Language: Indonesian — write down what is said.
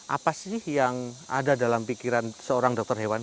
apa sih yang ada dalam pikiran seorang dokter hewan